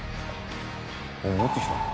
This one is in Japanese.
戻ってきたの？